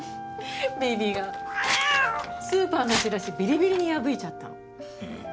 ビビがスーパーのチラシビリビリに破いちゃったの。